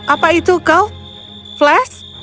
apa itu kau flash